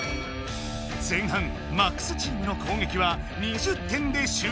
前半「ＭＡＸ」チームの攻撃は２０点で終了。